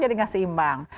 jadi gak seimbang